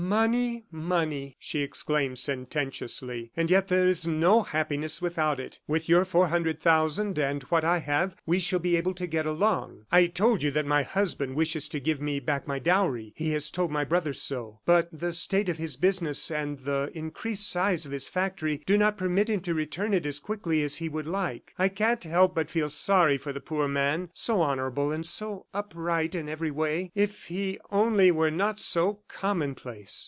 "Money, money!" she exclaimed sententiously. "And yet there is no happiness without it! With your four hundred thousand and what I have, we shall be able to get along. ... I told you that my husband wishes to give me back my dowry. He has told my brother so. But the state of his business, and the increased size of his factory do not permit him to return it as quickly as he would like. I can't help but feel sorry for the poor man ... so honorable and so upright in every way. If he only were not so commonplace!